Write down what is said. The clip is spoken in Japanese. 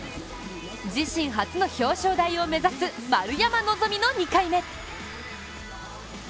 自身初の表彰台を目指す丸山希の２回目。